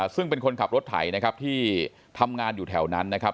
ซึ่งเป็นคนขับรถไถนะครับที่ทำงานอยู่แถวนั้นนะครับ